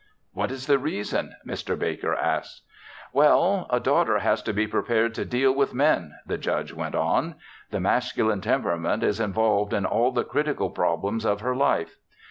"What is the reason?" Mr. Baker asked. "Well, a daughter has to be prepared to deal with men," the Judge went on. "The masculine temperament is involved in all the critical problems of her life.